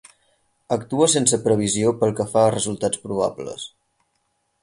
Actua sense previsió pel que fa a resultats probables.